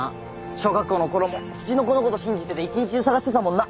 小学校の頃もツチノコのこと信じてて一日中探してたもんな。